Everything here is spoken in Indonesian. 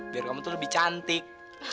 biar kamu tuh lebih cantik